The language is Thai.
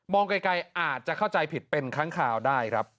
ไกลอาจจะเข้าใจผิดเป็นค้างคาวได้ครับ